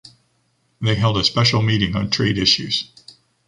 They held a special meeting on trade issues.